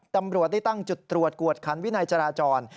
ตำรวจได้ตั้งจุดตรวจกวดขันวินัยจราจร